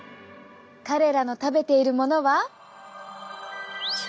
彼らの食べているものは。